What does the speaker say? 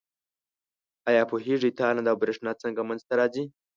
آیا پوهیږئ تالنده او برېښنا څنګه منځ ته راځي؟